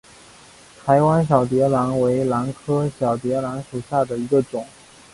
台湾小蝶兰为兰科小蝶兰属下的一个种。